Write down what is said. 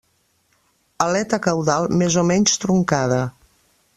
Aleta caudal més o menys truncada.